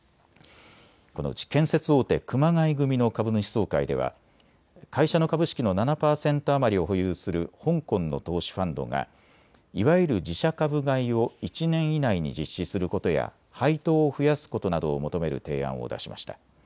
このうち建設大手、熊谷組の株主総会では会社の株式の７％余りを保有する香港の投資ファンドがいわゆる自社株買いを１年以内に実施することや配当を増やすことなどを求める提案を出しました。